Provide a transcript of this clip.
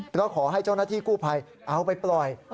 เพราะขอให้เจ้าหน้าที่กู้ภัยเอาไปปล่อย